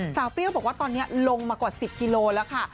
เปรี้ยวบอกว่าตอนนี้ลงมากว่า๑๐กิโลแล้วค่ะ